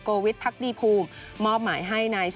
โกวิทภักดีภูมิมอบหมายให้